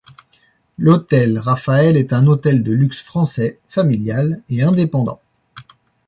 L’hôtel Raphael est un hôtel de luxe français, familial et indépendant.